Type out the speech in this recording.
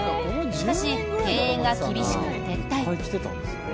しかし、経営が厳しく撤退。